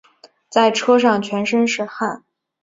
在车上全身是汗